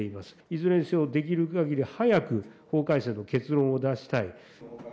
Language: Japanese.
いずれにせよ、できるかぎり早く、法改正と結論を出したい。